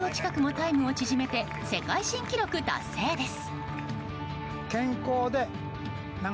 何と１０秒近くもタイムを縮めて世界新記録達成です。